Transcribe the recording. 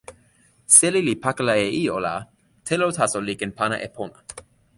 seli li pakala e ijo, la telo taso li ken pana e pona.